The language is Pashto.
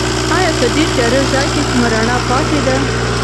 ایا په دې تیاره ځای کې کومه رڼا پاتې ده؟